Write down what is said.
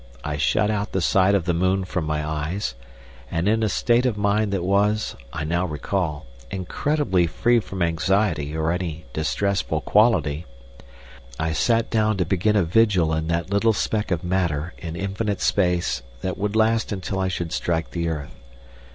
I shut out the sight of the moon from my eyes, and in a state of mind that was, I now recall, incredibly free from anxiety or any distressful quality, I sat down to begin a vigil in that little speck of matter in infinite space that would last until I should strike the earth.